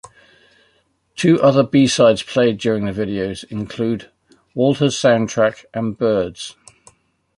Two other b-sides played during the videos include "walter's sound track" and "birds".